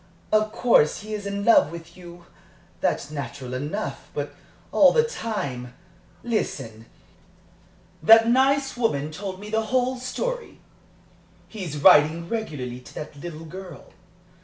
_ Of course he is in love with you. That's natural enough. But all the time listen, that nice woman told me the whole story he's writing regularly to that little girl.